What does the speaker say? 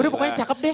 pokoknya cakep deh